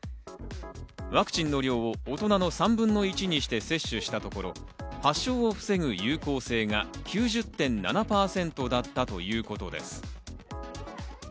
ワクチンの量を大人の３分の１にして接種したところ、発症を防ぐ有効性が９０．７％だったということです。